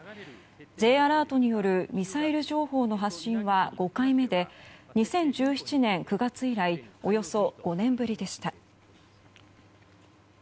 Ｊアラートによるミサイル情報の発信は５回目で２０１７年９月以来およそ５年ぶりでした。